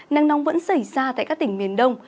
nắng nóng vẫn xảy ra tại các tỉnh miền đông